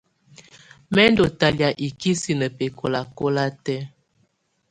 Mɛ̀ ndù talɛ̀́á ikisinǝ bɛkɔlakɔla tɛ̀́á.